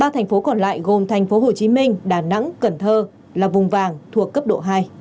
ba thành phố còn lại gồm thành phố hồ chí minh đà nẵng cần thơ là vùng vàng thuộc cấp độ hai